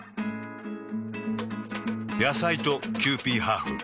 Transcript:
野菜とキユーピーハーフ。